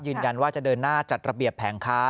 ยืนยันว่าจะเดินหน้าจัดระเบียบแผงค้า